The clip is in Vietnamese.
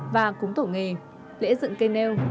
và cúng tổ nghề lễ dựng cây nêu